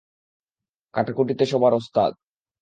কাটাকুটিতে সবার ওস্তাদ।